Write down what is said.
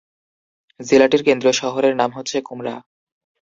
জেলাটির কেন্দ্রীয় শহরের নাম হচ্ছে কুমড়া।